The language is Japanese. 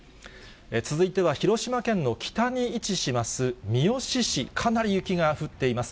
続いては広島県の北に位置します、三次市、かなり雪が降っています。